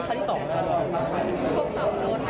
ขอบคุณค่ะ